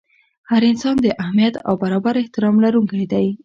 هر انسان د اهمیت او برابر احترام لرونکی دی.